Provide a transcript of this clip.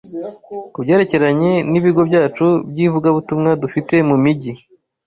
Ku byerekeranye n’ibigo byacu by’ivugabutumwa dufite mu mijyi